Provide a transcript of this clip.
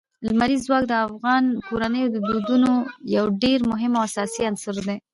لمریز ځواک د افغان کورنیو د دودونو یو ډېر مهم او اساسي عنصر دی.